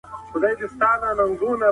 هغه ځان له خطره وساتی او وتښتېدی.